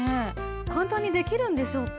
簡単にできるんでしょうか？